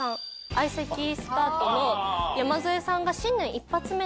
相席スタートの山添さんが。